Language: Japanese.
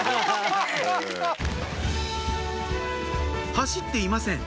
走っていません